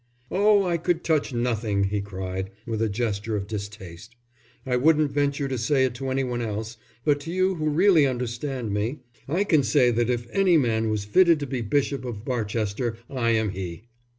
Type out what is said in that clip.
"Oh, I could touch nothing," he cried, with a gesture of distaste. "I wouldn't venture to say it to any one else, but to you who really understand me, I can say that if any man was fitted to be Bishop of Barchester I am he.